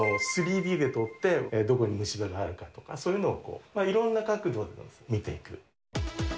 ３Ｄで撮って、どこに虫歯があるかとか、そういうのをいろんな角度で見ていく。